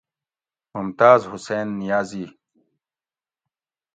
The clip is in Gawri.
ممتاز حسین نیازی۟